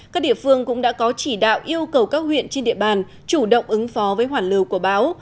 các địa phương cũng đã có chỉ đạo yêu cầu các huyện trên địa bàn chủ động ứng phó với hoàn lưu của báo